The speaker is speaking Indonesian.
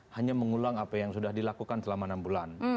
hanya mengulang apa yang sudah dilakukan selama enam bulan